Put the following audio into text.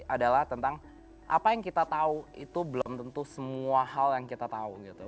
adalah tentang apa yang kita tahu itu belum tentu semua hal yang kita tahu gitu